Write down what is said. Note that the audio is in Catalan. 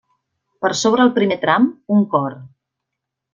Per sobre el primer tram, un cor.